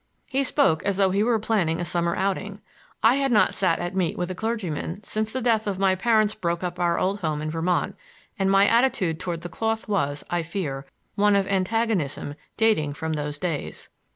He spoke as though he were planning a summer outing. I had not sat at meat with a clergyman since the death of my parents broke up our old home in Vermont, and my attitude toward the cloth was, I fear, one of antagonism dating from those days.